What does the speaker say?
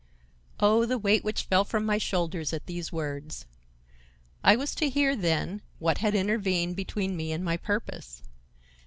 Oh, the weight which fell from my shoulders at these words! I was to hear, then, what had intervened between me and my purpose.